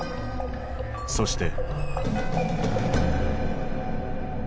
そして。